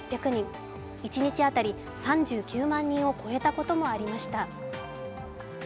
一日当たり３９万人を超えたこともありました。